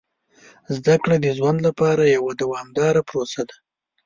زده کړه د ژوند لپاره یوه دوامداره پروسه ده.